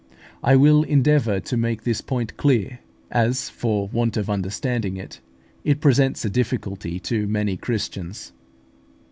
I will endeavour to make this point clear, as, for want of understanding it, it presents a difficulty to many Christians.